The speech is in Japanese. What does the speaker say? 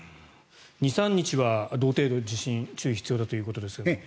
２３日は同程度の地震に注意が必要だということですが。